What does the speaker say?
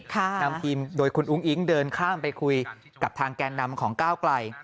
นำทีมโดยคุณอุ้งอิ๊งเดินข้ามไปคุยกับทางแก่นำของก้าวไกล